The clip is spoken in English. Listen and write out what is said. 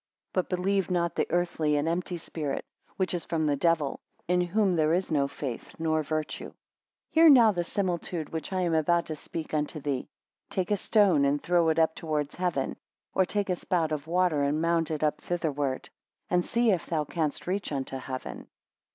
But believe not the earthly and empty spirit, which is from the devil, in whom there is no faith nor virtue. 13 Hear now the similitude which I am about to speak unto thee. Take a stone, and throw it up towards heaven; or take a spout of water, and mount it up thitherward; and see if thou canst reach unto heaven.